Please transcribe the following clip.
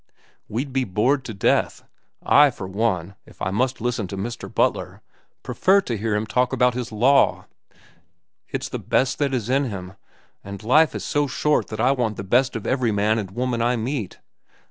We'd be bored to death. I, for one, if I must listen to Mr. Butler, prefer to hear him talk about his law. It's the best that is in him, and life is so short that I want the best of every man and woman I meet."